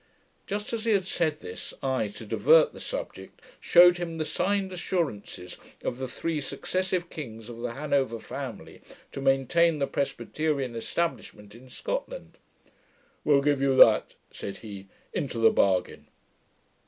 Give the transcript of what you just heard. Just as he had said this, I to divert the subject, shewed him the signed assurances of the three successive Kings of the Hanover family, to maintain the Presbyterian establishment in Scotland. 'We'll give you that,' said he, 'into the bargain.'